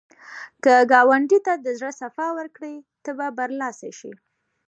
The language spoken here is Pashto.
که ګاونډي ته د زړه صفا ورکړې، ته به برلاسی شې